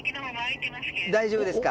大丈夫ですか。